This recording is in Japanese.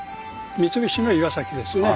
三菱の岩崎ですね。